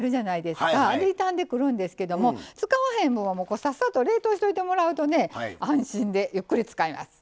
あれ傷んでくるんですけども使わへんのはさっさと冷凍しといてもらうとね安心でゆっくり使えます。